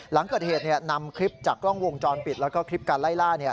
หลังเกิดเหตุนำคลิปจากกล้องวงจรปิดแล้วก็คลิปการไล่ล่า